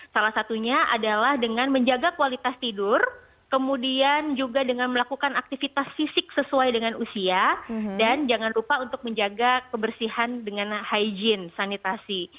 salah satunya adalah dengan menjaga kualitas tidur kemudian juga dengan melakukan aktivitas fisik sesuai dengan usia dan jangan lupa untuk menjaga kebersihan dengan hygiene sanitasi